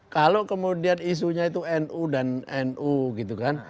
kalau kemudian isunya itu nu dan nu gitu kan